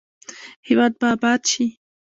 هیواد به اباد شي؟